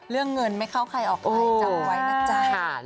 เรื่องเงินไม่เข้าใครออกใครจำไว้นะจ๊ะ